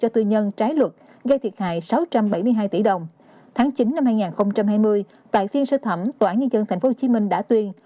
tháng bảy năm hai nghìn hai mươi tại phiên sơ thẩm tòa án nhân dân tp hcm đã tuyên